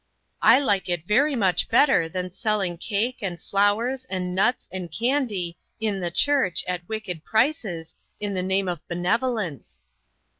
"I like it very much better than selling cake, and flowers, and nuts, and candy, in 1 14 INTERRUPTED. the church, at wicked prices, in the name of benevolence."